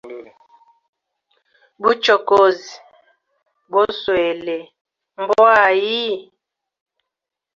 Buchokozi boswele mbwa ayi?